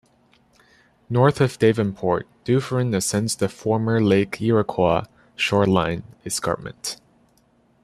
North of Davenport, Dufferin ascends the former Lake Iroquois shoreline escarpment.